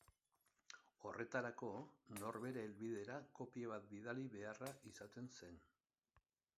Horretarako, norbere helbidera kopia bat bidali beharra izaten zen.